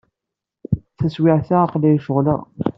Taswiɛt-a, aql-iyi ceɣleɣ.